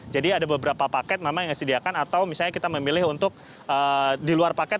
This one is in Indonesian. jadi ada beberapa paket memang yang disediakan atau misalnya kita memilih untuk di luar paket